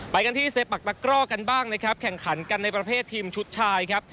ไปกันที่เซปักตะกร่อกันบ้างนะครับแข่งขันกันในประเภททีมชุดชายครับ